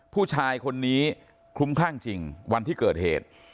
ผู้ชายคนนี้คลุ้มคลั่งจริงวันที่เกิดเหตุ